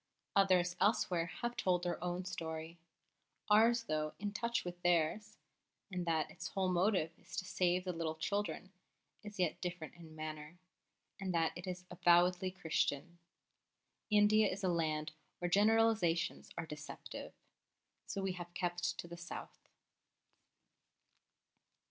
Others elsewhere have told their own story; ours, though in touch with theirs (in that its whole motive is to save the little children), is yet different in manner, in that it is avowedly Christian. India is a land where generalisations are deceptive. So we have kept to the South.